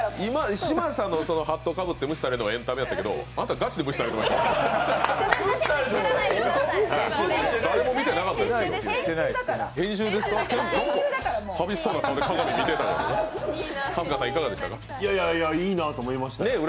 嶋佐のハットかぶって無視されるのはエンタメやったけど、あなたガチで無視されてましたから。